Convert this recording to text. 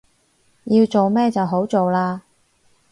要做咩就好做喇